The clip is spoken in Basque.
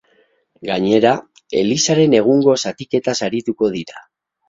Gainera, elizaren egungo zatiketaz arituko dira.